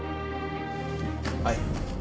はい。